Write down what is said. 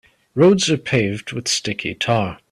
Roads are paved with sticky tar.